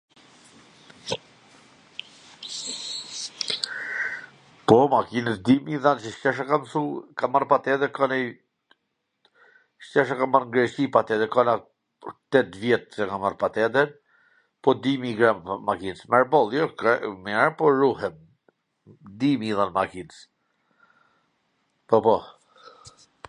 Po makinws di me i dhwn se s kish nga me msu ... kam marr patendwn, e kam marr n Greqi patendwn, ka nanj tet vjet qw e kam marr patendwn, po di mir me i dhan makins, mirboll, mir por ruhem, di me i dhan makins, po po,